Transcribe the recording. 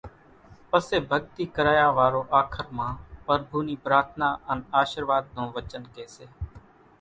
پسي ڀڳتي ڪرايا وارو آخر مان پرڀُو نِي پرارٿنا ان آشرواۮ نون وچن ڪي سي